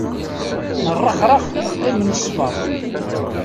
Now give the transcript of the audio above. Nerrexrex neqqim nesber.